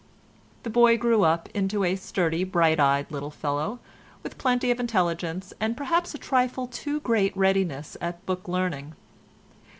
The boy grew up into a sturdy bright eyed little fellow, with plenty of intelligence, and perhaps a trifle too great readiness at book learning.